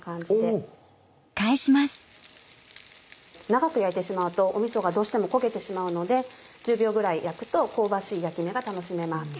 長く焼いてしまうとみそがどうしても焦げてしまうので１０秒ぐらい焼くと香ばしい焼き目が楽しめます。